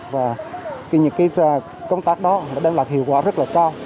và những công tác đó đang là hiệu quả rất là cao